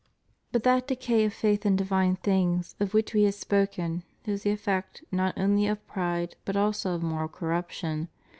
But that decay of faith in divine things of which We have spoken is the effect not only of pride, but also of moral corruption.